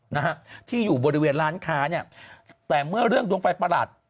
นะฮะที่อยู่บริเวณร้านค้าเนี่ยแต่เมื่อเรื่องดวงไฟประหลาด